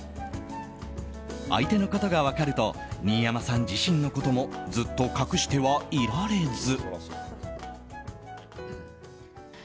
相手のことが分かると新山さん自身のこともずっと隠してはいられず。